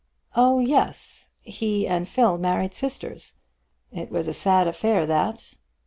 "Oh yes; he and Phil married sisters. It was a sad affair, that."